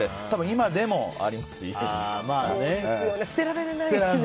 今でもあります、家に。